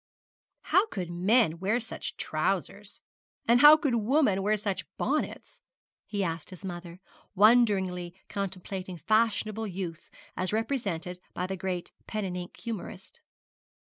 'How could men wear such trousers? and how could women wear such bonnets?' he asked his mother, wonderingly contemplating fashionable youth as represented by the great pen and ink humourist.